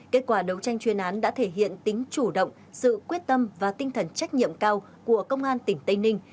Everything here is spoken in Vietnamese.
kết quả đấu tranh chuyên án đã thể hiện tính chủ động sự quyết tâm và tinh thần trách nhiệm cao của công an tỉnh tây ninh